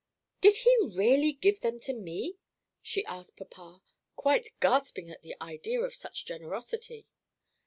"Did he really give them to me?" she asked papa, quite gasping at the idea of such generosity.